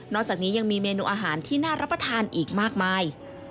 จากนี้ยังมีเมนูอาหารที่น่ารับประทานอีกมากมาย